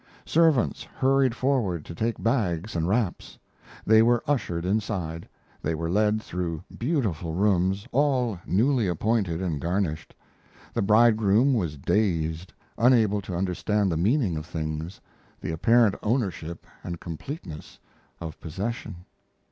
Servants hurried forward to take bags and wraps. They were ushered inside; they were led through beautiful rooms, all newly appointed and garnished. The bridegroom was dazed, unable to understand the meaning of things, the apparent ownership and completeness of possession.